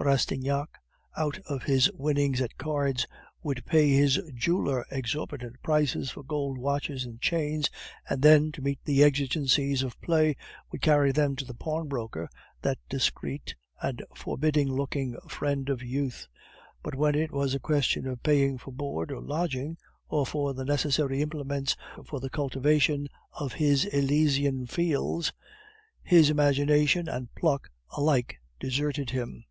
Rastignac, out of his winnings at cards, would pay his jeweler exorbitant prices for gold watches and chains, and then, to meet the exigencies of play, would carry them to the pawnbroker, that discreet and forbidding looking friend of youth; but when it was a question of paying for board or lodging, or for the necessary implements for the cultivation of his Elysian fields, his imagination and pluck alike deserted him.